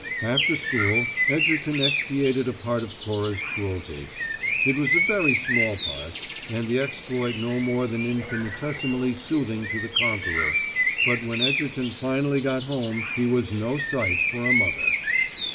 After school, Egerton expiated a part of Cora's cruelty. It was a very small part, and the exploit no more than infinitesimally soothing to the conqueror, but when Egerton finally got home he was no sight for a mother.